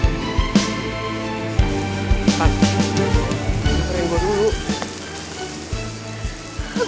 lo udah ngereng gue dulu